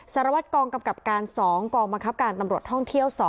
สารวัตรกองกำกับการ๒กองบังคับการตำรวจท่องเที่ยว๒